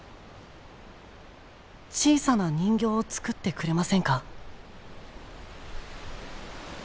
小さな人形を作ってくれませんか？